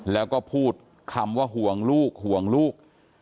แล้วก็พูดคำว่าห่วงลูกห่วงลูก